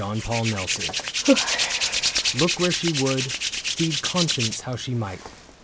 II DAMARIS Look where she would, feed conscience how she might.